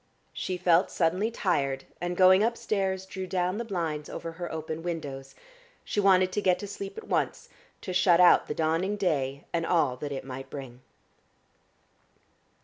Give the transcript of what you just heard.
She felt suddenly tired, and going upstairs drew down the blinds over her open windows. She wanted to get to sleep at once, to shut out the dawning day and all that it might bring.